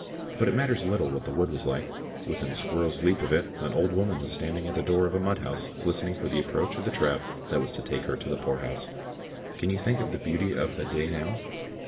But it matters little what the wood was like. Within a squirrel's leap of it an old woman was standing at the door of a mud house listening for the approach of the trap that was to take her to the poorhouse. Can you think of the beauty of the day now?